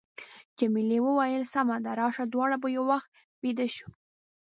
جميلې وويل:، سمه ده، راشه دواړه به یو وخت بېده شو.